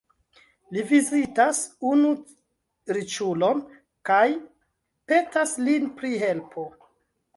Li vizitas unu riĉulon kaj petas lin pri helpo.